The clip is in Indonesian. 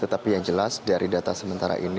tetapi yang jelas dari data sementara ini